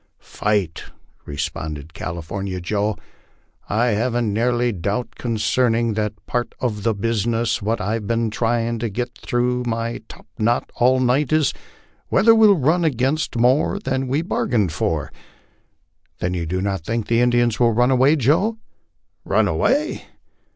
" Fight! " responded California Joe ;* I havn't nary doubt eoncernin' that part uv the business; what I've been tryin' to get through my topknot all night is whether we'll run aginst more than we bargain fur." "Then you do not think the Indians will run away, Joe?" "Run away!